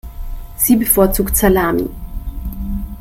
Sie bevorzugt Salami.